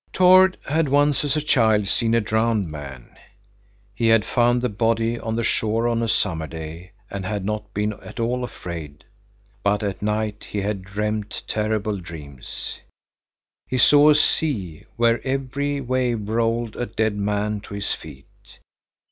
Tord had once as a child seen a drowned man. He had found the body on the shore on a summer day and had not been at all afraid, but at night he had dreamed terrible dreams. He saw a sea, where every wave rolled a dead man to his feet.